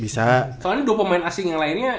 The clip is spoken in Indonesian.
bisa soalnya dua pemain asing yang lainnya